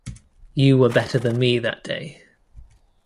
You were better than me that day.